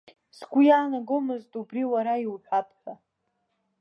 Сгәы иаанагомызт убри уара иуҳәап ҳәа.